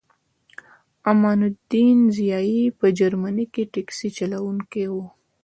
امان الدین ضیایی په جرمني کې ټکسي چلوونکی و